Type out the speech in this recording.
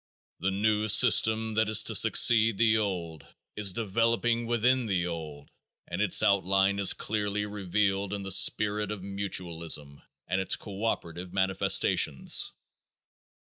The new system that is to succeed the old is developing within the old and its outline is clearly revealed in its spirit of mutualism and its co operative manifestations.